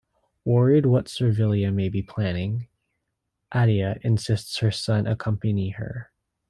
Worried what Servilia may be planning, Atia insists her son accompany her.